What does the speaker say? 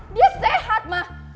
dia sehat mah